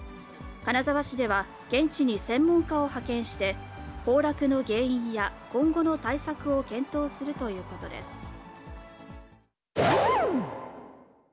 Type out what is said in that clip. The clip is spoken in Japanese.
金沢市では現地に専門家を派遣して、崩落の原因や今後の対策を検討するということです。